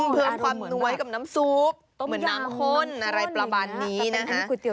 เพิ่มความน้วยกับน้ำซุปเหมือนน้ำข้นอะไรประมาณนี้นะคะ